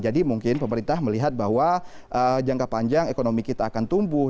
jadi mungkin pemerintah melihat bahwa jangka panjang ekonomi kita akan tumbuh